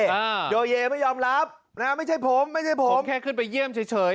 โยเยไม่ยอมรับนะฮะไม่ใช่ผมไม่ใช่ผมแค่ขึ้นไปเยี่ยมเฉยเฉย